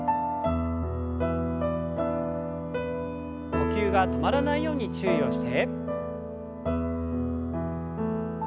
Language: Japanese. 呼吸が止まらないように注意をして。